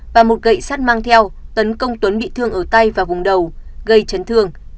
và một gậy sắt mang theo tấn công tuấn bị thương ở tay và vùng đầu gây chấn thương